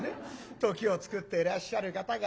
時を作っていらっしゃる方がある。